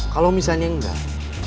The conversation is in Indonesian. kalau misalnya enggak